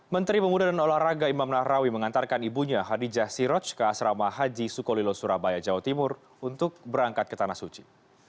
menteri pemuda dan olahraga imam nahrawi mengantarkan ibunya hadijah siroj ke asrama haji sukolilo surabaya jawa timur untuk berangkat ke tanah suci